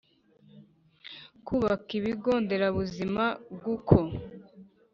kubaka ibigo nderabuzima guko